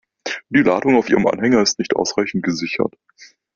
Die Ladung auf Ihrem Anhänger ist nicht ausreichend gesichert.